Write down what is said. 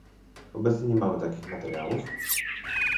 Obecnie nie mamy takich materiałów